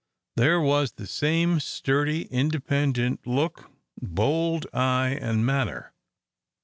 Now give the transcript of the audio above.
There was the same sturdy, independent look, bold eye, and manner.